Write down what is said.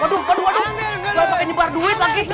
aduh aduh aduh jangan pake nyebar duit lagi